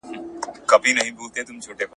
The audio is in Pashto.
هغه وویل چې د غره هوا د ناروغ لپاره درمل دي.